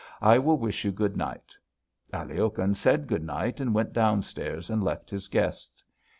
"I will wish you good night." Aliokhin said good night and went down stairs, and left his guests.